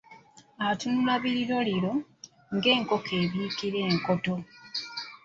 Atunula biriroliro, ng’enkoko ebiika enkoto.